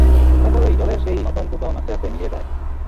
তারপরই জলের সেই নর্তন কুর্দন আস্তে আস্তে মিলিয়ে যায়।